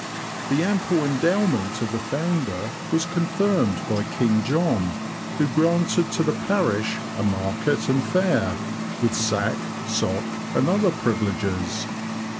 The ample endowment of the founder was confirmed by King John, who granted to the parish a market and fair, with sac, soc, and other privileges.